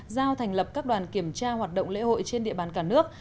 giao thành lập các đoàn kiểm tra hoạt động lễ hội trên địa bàn cả nước